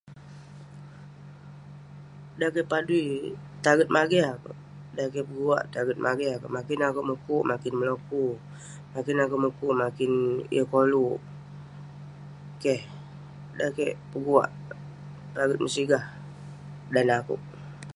Dan kek padui, taget mageh akouk. Dan kik peguak, taget mageh akouk. Makin akouk mukuk, makin meloku. Makin akouk mukuk, makin yeng koluk. Keh. Dan kik peguak, taget mesigah. Dan neh akouk.